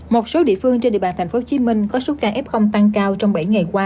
một số địa phương trên địa bàn tp hcm có số ca f tăng cao trong bảy ngày qua